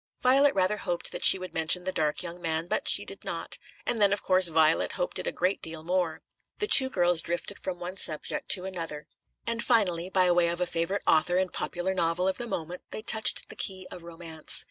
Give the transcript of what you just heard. Violet rather hoped that she would mention the dark young man, but she did not; and then, of course, Violet hoped it a great deal more. The two girls drifted from one subject to another, and finally, by way of a favourite author and a popular novel of the moment, they touched the key of romance.